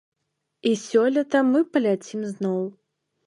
І сёлета мы паляцім зноў.